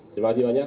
terima kasih banyak